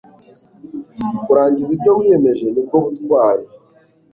kurangiza ibyo wiyemeje nibwo butwari